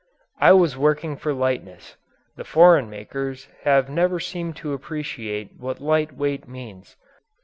I was working for lightness; the foreign makers have never seemed to appreciate what light weight means.